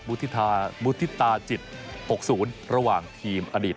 บุฒิธาบุฒิธาจิตปกศูนย์ระหว่างทีมอดีต